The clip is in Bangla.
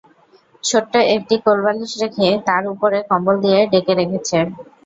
ছোটি একটা কোল বালিশ রেখে তার উপরে কম্বল দিয়ে ডেকে রেখেছে।